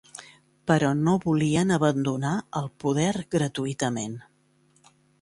Però no volien abandonar el poder gratuïtament.